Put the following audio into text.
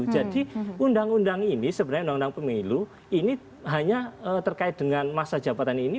jadi undang undang ini sebenarnya undang undang pemilu ini hanya terkait dengan masa jabatan ini